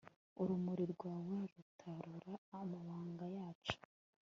urumuri rwawe rutahura amabanga yacu